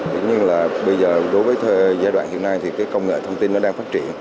giống như là bây giờ đối với giai đoạn hiện nay thì cái công nghệ thông tin nó đang phát triển